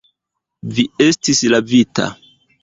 Vi estis lavita.